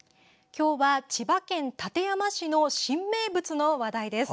今日は千葉県館山市の新名物の話題です。